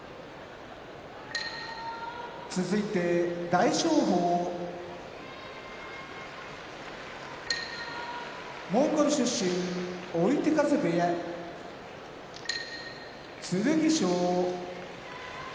大翔鵬モンゴル出身追手風部屋剣翔